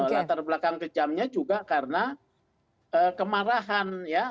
latar belakang kejamnya juga karena kemarahan ya